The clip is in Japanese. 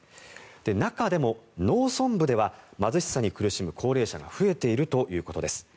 中でも農村部では貧しさに苦しむ高齢者が増えているということです。